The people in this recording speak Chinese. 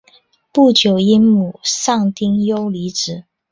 不久因母丧丁忧离职。